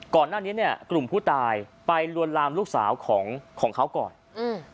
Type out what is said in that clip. ก่อนหน้านี้เนี้ยกลุ่มผู้ตายไปลวนลามลูกสาวของของเขาก่อนอืม